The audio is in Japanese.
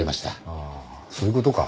ああそういう事か。